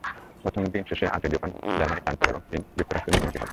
প্রথম দিন শেষ আটে জার্মানি ফ্রান্সের এবং চীন যুক্তরাষ্ট্রের মুখোমুখি হবে।